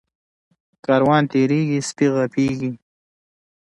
ـ کاروان تېريږي سپي غپيږي.